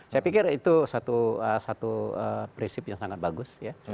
saya pikir itu satu prinsip yang sangat bagus ya